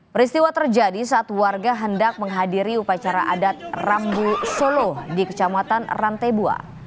peristiwa terjadi saat warga hendak menghadiri upacara adat rambu solo di kecamatan rantebua